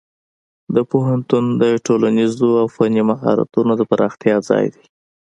پوهنتون د ټولنیزو او فني مهارتونو د پراختیا ځای دی.